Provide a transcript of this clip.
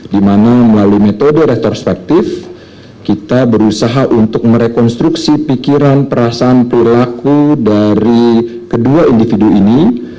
di mana melalui metode retrospektif kita berusaha untuk merekonstruksi pikiran perasaan perilaku dari kedua individu ini